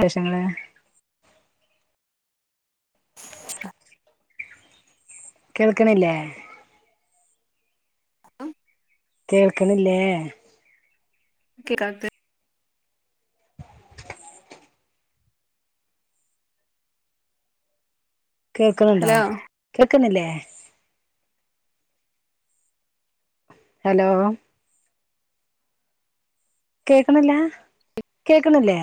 ശേഷങ്ങള് [unintelligible] കേൾക്ക്ണില്ലേ? അം കേൾക്ക്ണില്ലേ... [unintelligible] കേൾക്ക്ണുണ്ടോ ഹലോ കേൾക്കുന്നില്ലേ? ഹലോ. കേക്ക്ണില്ല കേക്ക്ണില്ലേ?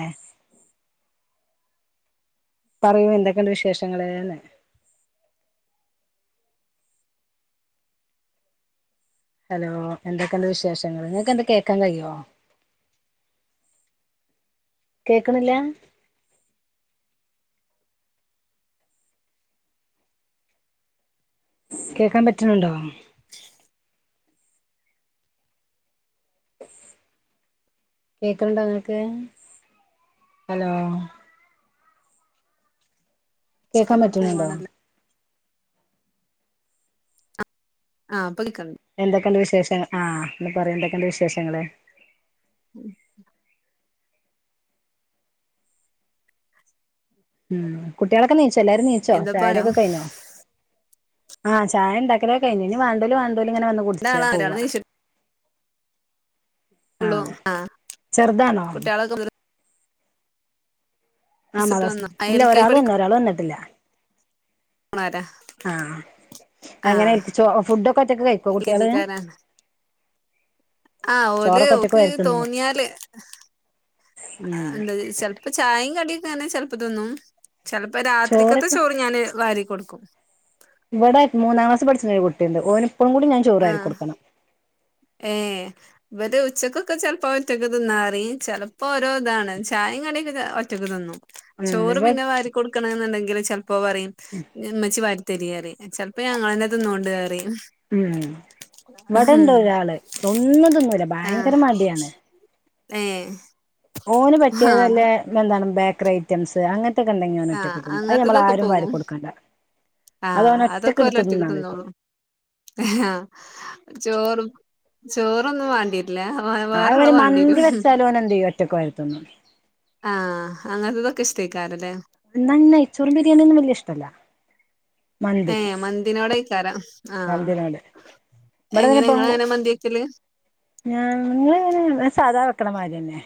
പറയൂ എന്തൊക്കെണ്ട് വിശേഷങ്ങള്ന്ന്. ഹലോ.. എന്തൊക്കെണ്ട് വിശേഷങ്ങൾ ഇങ്ങക്കെന്തെ കേക്കാൻകഴിയേ. കേൾക്ക്ണില്ലാ. കേക്കാൻ പറ്റ്ണ് ണ്ടോ? കേക്ക്ണ്ടോ ങ്ങക്ക് ഹലോ. കേക്കാൻ തന്നെ പറ്റ്ണ് ണ്ടോ? പോവാണല്ലോ ആ പ്പൾക്ണ്ട് എന്തൊക്കെണ്ട് വിശേഷ ആ ന്ന് പറയൂ എന്തൊക്കെണ്ട് വിശേഷങ്ങള്. ഉം ഉം ഉം കുട്ട്യേളൊക്കെ നീച്ചോ എല്ലാരും നീച്ചോ എന്താപ്പണോ ചായുടിക്കെ കഴിഞ്ഞോ. ആഹ് ചായ ണ്ടാക്കലെക്കെ കഴിഞ്ഞ് ഞി വാണ്ടേല് വാണ്ടേല് ഇങ്ങനെ വന്ന് കുടിച്ചാ രണ്ടാളാ ഒരാള് പോവാ. നീച്ചിട്ടൊള്ളൂ ആഹ് ചെർതാണോ. കുട്ടികളൊക്കെ ആഹ് മദ്രസട്ട് മാദ്റസ് വന്നോ ആഹ് ല്ല എൽ കെ ജി ഒരാള് വന്നു ഒരാള് വന്നിട്ടില്ല. മാരാഹ് ആ എങ്ങനെ ൻക്ചേ ഫുഡൊക്കെ ഒറ്റൊക്ക് കഴിക്കോ എൽ കെ കുട്ട്യേൾ ജിക്കാരാണ് ആഹ് ഓല് ചോറൊക്കെ ഒറ്റക്ക് ഓക്ക് വാരി തിന്നോ തോന്ന്യാല് അ ഉം ന്താ ചെൽ പ്പൊ ചായിം കടിയൊക്കെ ങ്ങനെ ചെൽപ്പം തിന്നും ചെൽപ്പം രാത്രിക്കത്തെ ചോറൊക്കെ ചോറ് ഞാന് വാരികൊടുക്കും വടെ മൂന്നാം ക്ലാസ് പഠിച്ച്ണ ഒരു കുട്ടിണ്ട് ഓന് പ്പളും കൂടി ഞാന് ചോറ് ആഹ് വാരികൊടുക്കണം. ഏഹ് വര് ഉച്ചക്കൊക്കെ ചെൽപ്പോ ഒറ്റക്ക് തിന്നാ പറിം ചെല പ്പേരോതാണ് ചായി കടിയൊക്കെ ചെ ഒറ്റക്ക് തിന്നും ഉം ചോറ് ഇവ പിന്നെ വാരി കൊട്ക്ക്ണ് ന്ന്ണ്ടെങ്കിൽ ചെൽപ്പോ പറയും. ഉം ഇമ്മച്ചി വാരിത്തെരിയറിം ചെൽപ്പോ ഞങ്ങളെന്നെ തിന്നോണ്ട് അറിം ഉം ഇവിടെണ്ട് ഒരാള് ഒന്നും തിന്നുല ഭയങ്കര ആഹ് മടിയാണ് ഏഹ് ഓന് ആഹ് പറ്റിയതല്ലേ എന്താണ് ബേക്കറി ഐറ്റംസ് അങ തെക്കണ്ടെങ്കി അവൻ ആഹ് ഒറ്റക് തിന്നും അഹ് നമ്മൾ അങ്ങനത്തതൊക്കെ ആരും വാരി പോകും കൊടുക്കണ്ട അത് ആഹ് അവൻ അതൊക്കെ ഒറ്റയ്ക്ക് എടുത്ത് ഓലൊറ്റക്ക് തിന്നാൻ നിക്കും തിന്നോളും ആഹ് ചോറ് ചോറൊന്നും വേണ്ടി ല്ല വെ വേറൊള്ള അതേമാതിരി വേണ്ടിരും മന്തി വെച്ചാലും ഓന് എന്ത് ചെയ്യും ഒറ്റക്ക് വാരി തിന്നും ആഹ് അങ്ങൻത്തതൊക്കെ ഇഷ്ടേക്കാരല്ലേ ന്നാ നെയ് ചോറും ബിരിയാണിയൊന്നും വല്ല്യ ഇഷ്ടല്ല ഏഹ് മന്തിനോടെയ്ക്കരാം ആഹ് മന്തിനോട് എങ്ങനെ ങ്ങളെങ്ങനെ മന്തി വെക്കല് ഞാങ്ങളിങ്ങനെ സാധാ വെക്കണമാതിരിന്നേ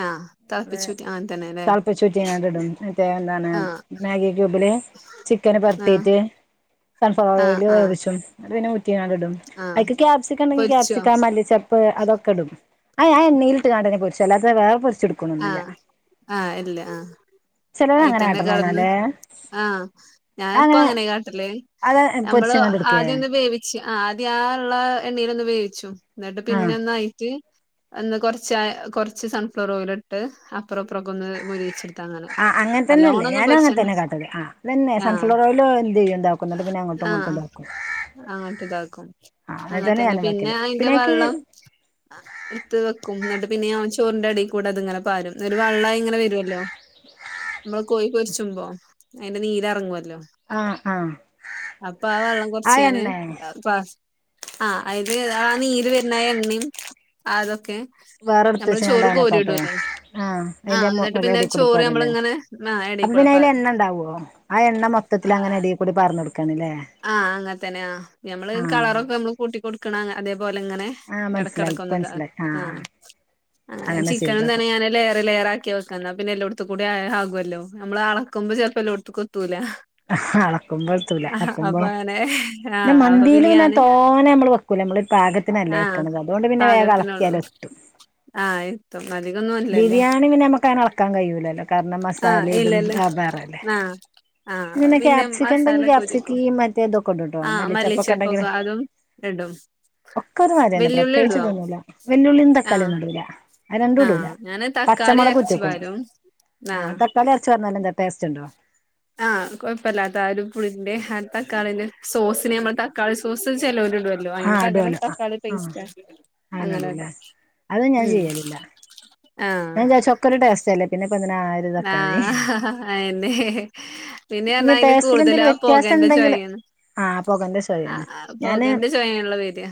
ആഹ് മ്മള് തിളപ്പിച്ചൂറ്റി അങ്ങനെ തന്നെല്ലേ തെളപ്പിച്ചൂറ്റിയാണ്ട്ടും മറ്റേ എന്താണ് ആഹ് മാഗി ക്യൂബില് ചിക്കന് ആഹ് വെർതേട്ട് സൺഫ്ലവർ ആഹ് ഓയില് ആഹ് വേവിച്ചും അന്നിട്ട് പിന്നെ ഊറ്റിയങ്ങിടും ആഹ് അയ്ക്ക് ക്യാപ്സിക്കണ്ടങ്കി പൊരിച്ചോ ക്യാപ്സിക്ക മല്ലി ചെ അപ്പ അതൊക്കെ ഇടും അയ് ആഹ് എണ്ണയിലിട്ടാണ്ടങ്ങ് പൊരിച്ച് അല്ലാതെ വേറെ പൊര്ച്ചെടു ആഹ് ആഹ് ഇല്ല ആഹ് ചിലര് അയി അങ്ങനെ തന്നെ ആട്ടണ കെടന്ന് കാണാല്ലേ ആഹ് ഞാനിപ്പ അങ്ങനെ കാട്ടല് അത് നമ്മള് പൊരിച്ചങ്ങാണ്ട് എടുക്കേ ആദ്യം ഒന്ന് വേവി ച്ച് ആഹ് ആദ്യ ആള്ള എണ്ണയിലൊന്ന് വേവിച്ചു എന്നിട്ട് ആഹ് പിന്നെ ഒന്നായിട്ട് ഒന്ന് കുറച്ചാ കുറച്ച് സൺഫ്ലോർ ഓയില് എടുത്ത് അപ്പുറം ഇപ്പറൊക്കൊന്ന് മുരിയിച്ചെടു അഹ് അങ്ങൻതന്നെല്ലേ ഞാന ങ്ങൻതന്നെ കാട്ടതല് ആതെന്നെ ആഹ് സൺഫ്ലവറേയില് എന്ത്യ്യ്ണ്ടാവും. കൊന്നട്ട് പിന്നെ അങ്ങോട്ടും ഇങ്ങോട്ടും ഇതാക്കും അങ്ങ്ട്ട് ഇതാക്കും ആഹ് അങ്ങനെ തന്നെ ഞാനും പിന്നെ വെക്കല് അയിന്റെ അയ്ക്ക് വെള്ളം എടുത്ത് വെക്കും എന്നിട്ട് പിന്നെ ഞാൻ ചോറിന്റെ അടിയിൽ കൂടെ അതിങ്ങനെ പ്പാരും ഒരു വെള്ളായി ഇങ്ങനെ വരുല്ലോ നമ്മള് കോയി പൊരിച്ചുമ്പോ അയ്ന്റെ നീര് എറങ്ങുല്ലോ ആഹ് ആഹ് അപ്പൊ ആഹ് വെള്ളം ആ കുറച്ചിങ്ങനെ എണ്ണേ പസ് ആഹ് അയ്ല് ആഹ് നീര് വരുന്ന എണ്ണയും അതൊക്കെ വേറെ എടുത് നമ്മള് വെച്ച്ങ്ങാട്ട് ചോറ് അങ്ങനെ കാട്ടോ കോരിയിടൂല്ലേ ആഹ് അയ്ന്റെ മു എന്നിട്ട് [unintelligible] പിന്നെ ചോറ് അടീകൂടെപ്പാരല്ലേ നമ്മളിങ്ങനെ ആഹ് അപ്പൊ എടേക്കൂടെ പിന്നെ അയ്ൽ പാരും എണ്ണ ണ്ടാവോ ആഹ് എണ്ണ മൊത്തത്തിൽ അങ്ങനെ അടീ ഇകൂടി പർന്നൊട്ക്കാണ്ല്ലേ ആഹ് അങ്ങൻത്തന്നെ ആഹ് അമ്മള് കളറൊക്കെ മ്മള് കൂട്ടി കൊടുക്കണ അതേപോലെങ്ങനെ ആഹ് മനസ്സിലായി ഇപ്പ എടക്കിടക്കൊന്നുംന്താ മനസ്സിലായി ആഹ് അങ്ങനെ ചിക്കനെന്താ ഞാന് ലേയറ് ലെയറാ ക്കി വെക്കന്ന പിന്നെ എല്ലോട്തുക്കൂടേ ആകുഅല്ലോ നമ്മള് അളക്കുമ്പോ ചെൽപ്പോ എല്ലോട്തുക്കു എത്തൂല അഹആണൊ ക്കുമ്പതൂല അപ്പൊ കത്തുമ്പോ അങ്ങനെ ന്ന ആഹ് അപ്പൊ മന്തില് പിന്നെ ഞാന് തോനെ മ്മള് വെക്കൂല നമ്മള് പാക ത്തിനല്ലേ ആഹ് വെക്കണത് അതോണ്ട് പിന്ന വേഗം പാകത്തിനുള്ളൂ എളക്കിയാൽ എട്ടും ആഹ് ഇട്ടോ അതികൊന്നും ഇല്ല ബിരിയാണി പിന്നെ നമുക്ക് അതെളക്കാൻ കഴിയൂല്ലല്ലോ കാരണം ആഹ് മസാല ഇതും ഇല്ലല്ലോ വാ വേറല്ലേ ആഹ് ആഹ് അത് ഇങ്ങനെ പിന്നെ ക്യാപ്സിക് ഇണ്ടെങ്കില് മസാലൊക്കെ ക്യാപ്സിക്കീ ഒരുക്കും മറ്റേതൊക്കെ ഉണ്ട്ട്ടോ ആഹ് മല്ലിച്ചെപ്പൊക്കെ ഉണ്ടെങ്ക അതും ഇടും ഒക്കെ [unintelligible] തന്നെ വെല്ലുള്ളി ഇടുവോ പ്രത്യേകിച്ച്തൊന്നൂല വെല്ലുള്ളിം തക്കാളിം ആഹ് ഒന്നും ഇടൂല്ല അത് രണ്ടും ഇടൂല ആഹ് ഞാന് തക്കാളി പച്ചമുളക് അരച്ചു പാരും [unintelligible] ആഹ് തക്കാളി അധി ച്ച്റഞ്ഞാല്ലെന്താ ടേസ്റ്റിണ്ടോ ആഹ് കൊഴപ്പല്ലാത്ത ആഹ് ഒരു പുളിന്റെ ആഹ് തക്കാളിന്റെ സോസിനെ നമ്മള് തക്കാളി സോസ് ചിലോരിടുവല്ലോ ല്ലോ ആ അയിന് പകരം ഇടുവല്ലോ ആ തക്കാളി ആ പേസ്റ്റാക്കും അങ്ങനെയിടും അതും ഞാൻ ചെയ്യലില്ല ഞാൻ ആഹ് ചൊക്കര് ടേസ്റ്റല്ല പിന്നെ ഇപ്പെന്തിനാ ആ ഒരു തക്കാളി ആഹ് അയ്ന്നെ പിന്നെ ഇനി അയിന് ടേസ്റ്റിൽ കൂടുതലും എന്തെങ്കിലും ആഹ് വ്യത്യാസം പോകേന്റെ ഉണ്ടെങ്കില് ചൊയാണ് ആ പൊകന്റെ ശോയാണ് ആഹ് അത് പൊകേൻ്റെ ചൊയല്ലേ വരികാ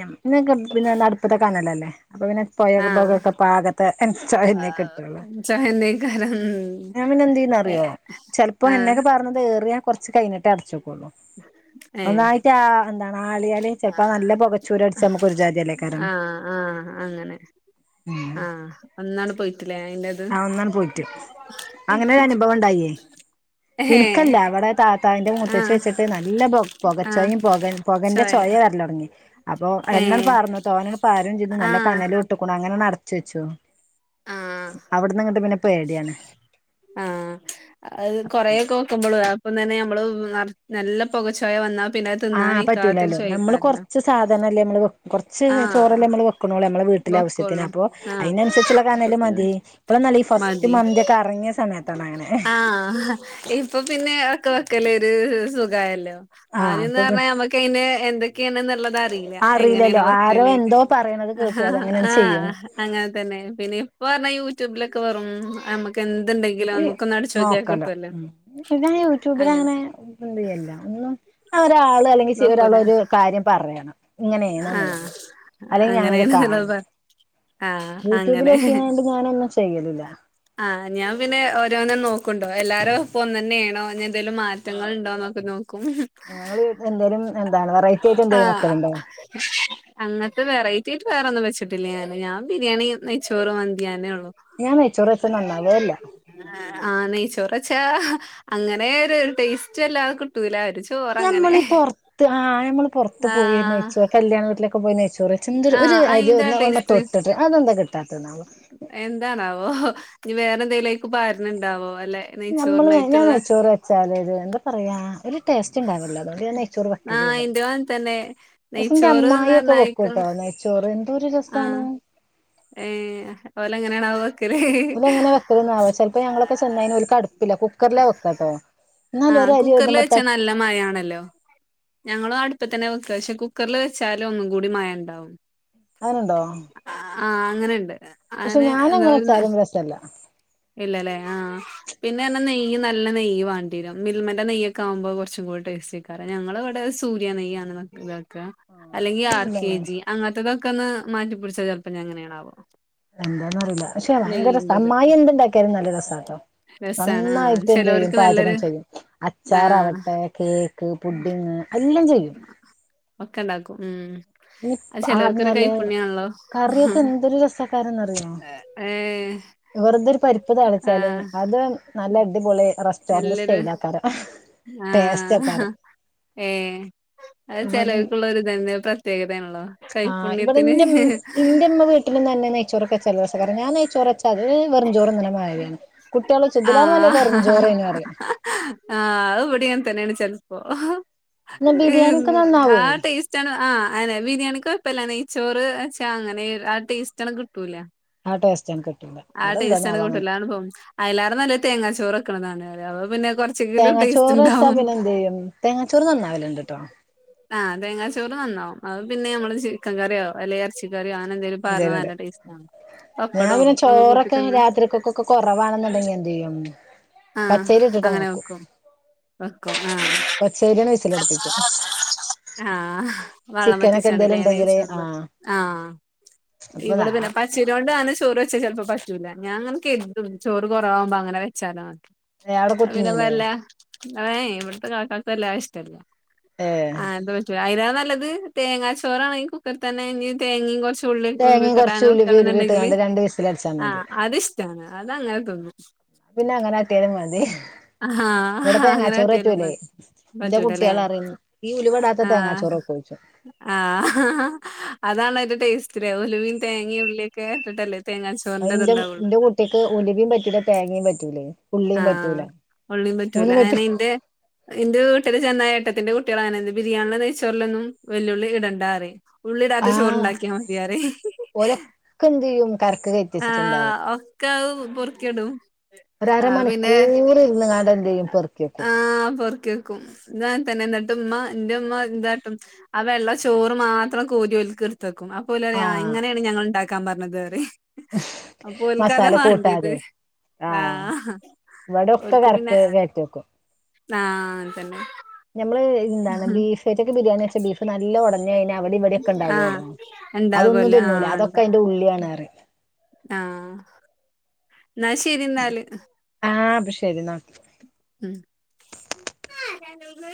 ഞമക്കിന്ന [unintelligible] അടുപ്പിത്ത കനലല്ലേ അപ്പോ പിന്നെ ആഹ് [unintelligible] പാക [unintelligible] ആഹ് ചൊയന്നേക്കാരം ഉം ഞാൻ പിന്നെ എന്തീയ്യെന്നറിയോ ചെലപ്പോ ആഹ് എന്നെക്കെ പറ ഏറിയ കൊറച്ച് കഴിഞ്ഞിട്ടേ അടച്ചോക്കുള്ളൂ ഏഹ് ഒന്നായിട്ട ആ എന്താണ് ആളിയാല് ചെൽപ്പോ നല്ല പൊകച്ചൂര അടിച്ചാ മ്മക്ക് ഒരുജാതിയല്ലേയ് കാരം. ആഹ് ആഹ് അങ്ങനെ ആഹ് ഒന്ന് ആണ് പോയിട്ടില്ലേ അതിന്റെ ഇത് ആഹ് ഒന്ന് ആണ് പോയിട്ട് അങ്ങനെ ഒരു അനുഭവം ഉണ്ടായി എനിക്കല്ല ഏഹ് അവിടെ താത്താൻന്റെ മൂത്തച്ച് ആഹ് വെച്ചിട്ട് നല്ല ആഹ് പുകച്ചോയും പോകൻ പുകന്റെ ചൊയ ചോയ വരല തുടങ്ങി അപ്പോ എണ്ണണ് ഏഹ് പറർന്നു തോന പാരം ചെയ്യ്തു നല്ല ആഹ് കനല അങ്ങനെ അടച്ച വെച്ചോ ആഹ് അവിടുന്നങ്ങട്ട് പിന്നെ പേടിയാണ് ആഹ് അത് കൊറൊക്കെ വെക്കുമ്പോളു അപ്പം തന്നെ നമ്മള് നല്ല പുകച്ചോയ വന്നാ പിന്നെ തിന്നാൻ ആഹ് വെയ്ക്കാത്ത പറ്റൂലല്ലോ നമ്മള് ചോയക്കാറില്ല കൊറച്ച് സാധനല്ലേ നമ്മള് കുറച്ച് ചോറ് അല്ലേ നമ്മൾ വെക്കണള്ളേ നമ്മളെ വീട്ടിലെ ആവശ്യത്തിന് വെക്കൊള്ളൂ അപ്പൊ ആഹ് അതിനനുസരിച്ചുള്ള അപ്പൊ കാണല് പിന്നെ മതി ഇപ്പോളനല്ല ഈ ഫസ്റ്റ് മതി മന്തി ഒക്കെ അറങ്ങിയ സമയത്താണ് അങ്ങനെ ആഹ് ഇപ്പൊ പിന്നെ ഒക്കെ വെക്കല്ലേ ഒരു സുഖല്ലോ ആഹ് ആദ്യം എന്ന് അപ്പൊ പിന്നെ പിറഞ്ഞാൽ നമ്മക്ക് എന്തൊക്കെയാണ് എന്നുള്ളത് അറിയില്ല അറിയില്ലല്ലോ എങ്ങനെയാണ് ആരോ [unintelligible] എന്തോ പറയണത് കേട്ടു അതങ്ങനെ ചെയ്യും അങ്ങനെ തന്നെ പിന്നെ ഇപ്പൊ പറഞ്ഞാ യൂട്യൂബിലൊക്കെ വറും നമ്മക്ക് ക്കന്ത്‌ണ്ടെങ്കി ഈ നോക്കല്ലോ പിന്നെ യൂട്യൂബിൽ അങ്ങനെ ഒരാള് അല്ലെങ്കിൽ ഒരാള നോക്കൂല ഒരു കാര്യം പറയണം ഇങ്ങനെയണ ആഹ് എന്നുള്ളത് അല്ലെങ്കിൽ ഞാനത് അങ്ങനെയാണ്ന്നുള്ളത് കാണണം പറ ആഹ് അങ്ങനെ യൂട്യൂബിലൊക്കെങ്ങാണ്ട് ഞാനൊന്നും ചെയ്യലില്ല ആഹ് ഞാൻ പിന്നെ ഓരോന്നും നോക്കുണ്ടോ എല്ലാരും ഇപ്പ ഒന്ന് തന്നെയാണോ ഇനി എന്തേലും കുറ്റങ്ങൾ ഉണ്ടാവന്നൊക്കെ നോക്കും ഞങ്ങള് എന്തേലും എന്താണ് വെറൈറ്റി ആയിട്ട് എന്തെങ്കലും ആഹ് വെക്കൽ ഉണ്ടോ അങ്ങനത്തെ വെറൈറ്റി ആയിട്ട് വേറെൊന്നും വെച്ചിട്ടില്ലേ ഞാന് ഞാൻ ബിരിയാണി നെയ്ച്ചോറ് മന്തി യന്നെ ഉള്ളു ഞാൻ നെയ്ച്ചോറ് വെച്ചാ നന്നാവേല്ല [unintelligible] [unintelligible] ആഹ് നെയ്ച്ചോറ് വെച്ച് അങ്ങനെ ഒരു ടേസ്റ്റ് അല്ലാതെ കിട്ടല ആരിച്ചു ഞമ്മളീ ഈ പുറത്ത് ആഹ് നമ്മൾ പുറത്ത് പോയി ആഹ് നയ്ച്ചോറ് കല്യാണ വീട്ടിലൊക്കെ നെയ്ച്ചോറ് ചെന്തൊരു ഒരു ആഹ് അയിന്റെ ആ അരിഒന്ന് ഒന്ന്മ്മെ ടേസ്റ്റ് തൊട്ടിട്ട് അതെന്താ കിട്ടാത്തത് ന്നാവോ എന്താണാവോ നീ വേറെ എന്തെങ്കലും പാരണ ഉണ്ടാവോ അല്ലെ നമ്മള് ഞാൻ നെയ്ച്ചോറിനായിട്ടുള്ള നെയ്ച്ചോറ് വച്ചാ അതത് എന്താ പറയാ ഒരു ടേസ്റ്റ് ഉണ്ടാവല്ലോ അതോണ്ട് നെയ്ച്ചോറ് ആഹ് വെക്കലല്ല ഇന്റെ മോൻ തന്നെ പന്റെ നെയ്ച്ചോറ്ന്ന് അമ്മായി പറഞ്ഞ ഒക്കെ വെക്ക അയ്ക്ക് കേട്ടോ ന ചോറ് എന്തോരു ആഹ് രസണോ ഏഹ് ഓല എങ്ങനെയാണാവ ഇങ്ങനെ വെക്കൽ ആവോ ചിലപ്പോ ഞങ്ങളൊക്കെ ചെന്ന് ഒല്ക് അടുപ്പില്ല കുക്കറിലെ വെക്ക കേട്ടോ ആഹ് ന്നാലൊരരി കുക്കറിൽ ഒന്ന്മെ വെച്ചാ തട്ട് നല്ല മയാണല്ലോ ഞങ്ങളും അടുപ്പ തന്നെ വെക്ക പക്ഷെ കുക്കറിൽ വെച്ചാലും ഒന്നും കൂടി മയം ഉണ്ടാവും അങ്ങനെ ഉണ്ടോ ആഹ അങ്ങനെണ്ട് പക്ഷെ അങ്ങനെ എന്താ ഞാനെങ്ങനെച്ചാ ഒരു ലും രസല്ല ഇല്ലല്ലേ ആഹ പിന്നെ എന്നെ നെയ്യ് നല്ല നെയ്യ് വണ്ട മിൽമയുടെ നെയ്യൊക്കെ ആകുമ്പോ കൊറച്ചു കൂടെ ടേസ്റ്റ് ആക്കാറ ഞങ്ങളുടെ ഇവിടെ സൂര്യ നെയ്യ അത് ക്കെ അല്ലെങ്കി ആർ കെ ഇല്ലന്നെ ജി അങ്ങനത്തതൊക്കെ ഒന്ന് മാറ്റിപടിച്ച ചിലപ്പോ ഞങ്ങനെയാണാവോ എന്താണെന്ന് അറിയില്ല പക്ഷെ ഭയങ്കര സമ്മാമായിം എന്തുണ്ടാക്കിയാലും നല്ല രസാട്ടോ രസാണ് ആഹ് നന്നായിട്ടു എന്ത് ചെലോർക്ക് യ്യുംപാചകം നല്ലൊരു ചെയ്യും ആഹ് അച്ചറാവട്ടെ കേക്ക് പുഡിങ് അല്ലം ചെയ്യും ഒക്കെ ഇണ്ടാക്കും ഉം അത് ചെലോർക്കൊരു ആന്നല്ലേ കൈപ്പുണ്യാണല്ലോ കറിയൊക്കെന്തൊരു രസക്കാരന്നറിയോ ഏഹ് വെറതൊരു പരിപ്പു താളിച്ചാലും ആഹ് അത് നല്ല അടിപൊളി റസ്റ്റോറന്റ് എല്ലൊരു സ്റ്റൈൽ ആക്കാറ് ആഹ് ഏഹ് അത് ചെലർക്കുള്ള ഒരു തന്നെ പ്ര പ്രത്യേകതയാണല്ലോ ആഹ് ഇവിടെ കൈപ്പുണ്യത്തിന് ഇന്റെമ്മ ഇന്റെമ്മ വീ മ്മക്ക നെയ്യ് ചോറ് വെച്ച ക്കരസപക്ഷേ ഞാൻ നെയ്ചോറ് വെച്ചാൽ വെറു ചോറ് ന്നണമതി കയാണ് കുട്ടികലോയ്ച്ചതിനാലും നല്ലത് വെറും ജോറന്ന് പറ ആഹ് ഇവിടങ്ങനതന്നാ ചെൽപോ പിന്നെ ബിരിയാണിയൊക്കെ ഏഹ്മ് നന്നാവേ ആഹ് ടേസ്റ്റ് ആഹ് അനെ ബിരിയാണി കൊഴപ്പൊല നെയ്‌ച്ചോർ അങ്ങനെ ആ ടേസ്റ്റണ് കിട്ടൂല ആഹ് ടേസ്റ്റേണ് കിട്ടൂല ആ ടേസ്റ്റണ് കിട്ടൂല പോകും അയലാരും നല്ലത് തേങ്ങാച്ചോറ് വെക്കണതാണ് അപ്പൊ പിന്നെ കൊർച്ചെങ്കിലും തേങ്ങാച്ചോറ് വെച്ചാ ടേസ്റ്റ്ണ്ടാവും പിന്നെന്തേയ്യും തേങ്ങാച്ചോറ് നന്നാവില്ണ്ടു ട്ടോ ആഹ് തേങ്ങാ ചോറ് നന്നാവും അത് പിന്നെ നമ്മള് ചിക്കൻ കറിയോ അല്ല ച്ചിക്കറി അങ്ങനെ എന്തെലും പാർന്നാൽ ഇന്റേതില് നല്ല ടേസ്റ്റ് ആണ് ഞാൻ പിന്നെ ചോറൊക്കെ രാത്രിക്കൊക്കൊക്കെ കുറവാണെന്നുണ്ടെങ്കി എന്തെയ്യും പച്ചരി ഇട്ട്ണ്ടാക്കണ്ട് വെക്കും വർക്കാണോ ഫസ്റ്റയി ന്നന്നെ വിസലടിപ്പിച്ചും ആഹ വള്ളം പറ്റിച്ചി ക്കാണ്ട്ലെ നെയ്യ് ഉണ്ടെങ്കില് ചോറ് പോലെ ആഹ് ആ അപ്പൊ ഇവിടെ പിന്നെ പ ചോറ് വെച്ച ചിലപ്പോ പറ്റൂല്ല ഞാനങ്ങനെകെരുതും ചോറ് കൊറവാവുമ്പോ അങ്ങനെവെച്ചാലാന്ന് അവിടെ കുത്തുന്നൂലേ [unintelligible] ഇവ്ടത്തെ കാക്കാക്ക് എല്ലാഷ്ടല്ല ഏഹ് ആഹ് അത് പറ്റൂല അതിലേറെ നല്ലത് തേങ്ങാ ചോറാണെങ്കി കുക്കറിതന്നെ ഞ്ഞ് തേങ്ങ കുറച്ച് ഉള്ളി തേങ്ങയും ഉൽവിക്കട്ട കുറച്ച് ഉലുവി ഉലുവി വെക്കാന്നുണ്ടെങ്കില് ഇട്ട്കാണ്ട് രണ്ട് വിസിലടിച്ചാ മതി ആഹ് അത്ഷ്ടാണ് അതങ്ങനെ തിന്നും പിന്നെങ്ങന കാട്ട്യാലും മതി ഇവിടെ ആഹ് അങ്ങനെ തേങ്ങാച്ചോറ് കാട്ടിയാലും പറ്റൂല്ലേ മതി എന്റെ പറ്റൂലല്ലേ കുട്ടിള് അറിയു ഈ ഉൽവെടാത്ത ആഹ് തേങ്ങാച്ചോറൊക്കോ ആഹ് അതാണ് അതി്ന്റെ ടേസ്റ്റിലെ ഉലുവീൻ തേങ്ങയും ഉള്ളിക്കെ ഇട്ടല്ലേ തേങ്ങച്ചൊ എന്റെ എന്റെ കുട്ടിക്ക് ഉലുവേം പറ്റൂല തേങ്ങേ യും പറ്റൂലേ ഉള്ളീം പറ്റൂല ആഹ് ഉള്ളിയും പറ്റൂല ഉള്ളീം പ അങ്ങനെ ഇന്റെ എന്റെ വീട്ടില് ചെന്നാ ഏട്ടത്തിന്റെ കുട്ടികളങ്ങനാണ് ബിരിയാണി നെയിച്ചോരിലൊന്നും വല്ലുള്ളി ഇടണ്ടാറിയും ഉള്ളിടാത്ത ആഹ് ചോറ്ണ്ടാക്കിയാ മതിയാറയും ഓലൊക്കെ എന്ത് ചെയ്യും കറക്ക് കയറ്റിച്ചിട്ടുണ്ടാവും ആഹ് ഒക്ക പൊറക്കെടും ഒരു ആഹ് പിന്നെ അരമണിക്കൂർ ഇരുന്ന്ങ്ങാണ്ട് എന്ത് ചെയ്യും പെറുക്കി വെക്കും ആഹ് പൊറക്ക് ഇതാങ്ങൻതന്നെ എന്നിട്ടും ഉമ്മ എന്റെ ഉമ്മ എന്താട്ടും ആ വെള്ള ചോറ് മാത്രം കോരി ഒൽക്ക് എടുത്തക്കും ഓ ലറിയും ആഹ് ഇങ്ങനെയാണ് ഞങ്ങൾ ഇണ്ടാക്കാൻ പറഞ്ഞത് ന്ന് പറിയും മസാല കൂട്ടാതെ ആ ആഹ് ഇവിടൊക്കെ കരക്ക് കേറ്റിക്കും ആഹ് അങ്ങതന്നെ ഞമ്മള് ഇന്താണ് ബീഫ്റ്റൊക്കെ ബിരിയാണിക്കെ ബീഫ് നല്ലൊ ഒടഞയ്ഞ്ഞ അവിടെ ഇവിടെയൊക്കെ ആ ഉണ്ടാവുവല്ലോ അതൊന്നും ഉണ്ടാകുമല്ലോ ആ തിന്നൂല അതൊക്കെ ഉണ്ടാവും അതിന്റെ ഉളളിയാണന്നറിയും ആഹ് എന്നാ ശരി എന്നാല് ആഹ് അപ്പ ശരി ന്നാ [unintelligible]